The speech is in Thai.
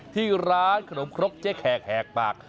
ที่ร้านขนมครกเจ๊แขกแหกปาก